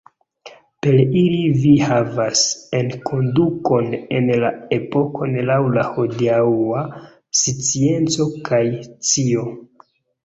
Per ili vi havas enkondukon en la epokon laŭ la hodiaŭa scienco kaj scio.